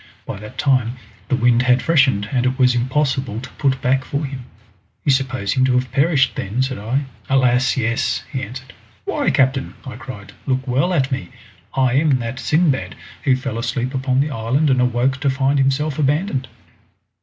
By that time the wind had freshened, and it was impossible to put back for him." "You suppose him to have perished then?" said I. "Alas! yes," he answered. "Why, captain!" I cried, "look well at me. I am that Sindbad who fell asleep upon the island and awoke to find himself abandoned!"